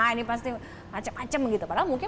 ini pasti macem macem gitu padahal mungkin